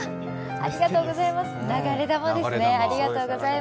ありがとうございます。